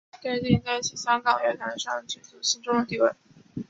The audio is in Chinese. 奠定其在香港乐坛上举足轻重的地位。